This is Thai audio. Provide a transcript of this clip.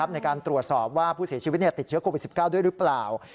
ในการตรวจสอบว่าผู้เสียชีวิตติดเชื้อโควิด๑๙ด้วยหรือเปล่า